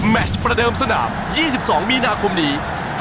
ประเดิมสนาม๒๒มีนาคมนี้